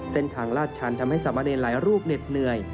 ลาดชันทำให้สามเณรหลายรูปเหน็ดเหนื่อย